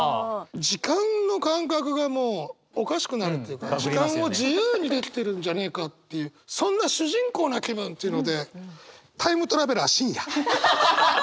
時間の感覚がもうおかしくなるというか時間を自由にできてるんじゃねえかっていうそんな主人公な気分っていうので。